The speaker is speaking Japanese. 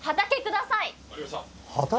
わかりました。